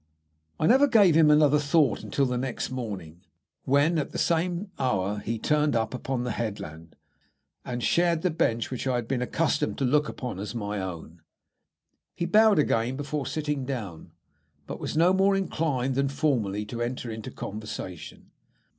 I never gave him another thought until the next morning, when, at the same hour, he turned up upon the headland, and shared the bench which I had been accustomed to look upon as my own. He bowed again before sitting down, but was no more inclined than formerly to enter into conversation.